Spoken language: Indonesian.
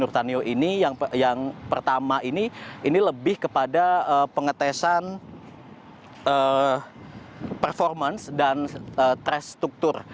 nurtanio ini yang pertama ini lebih kepada pengetesan performance dan terstruktur